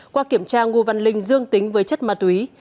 qua kiểm tra ngô văn linh dương tính với chất ma túy